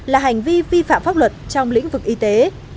là hành vi vi phạm pháp luật trong lĩnh vực y tế